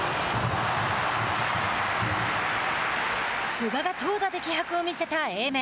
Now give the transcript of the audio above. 寿賀が投打で気迫を見せた英明。